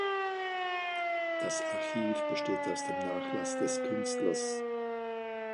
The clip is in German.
Das Archiv besteht aus dem Nachlass des Künstlers.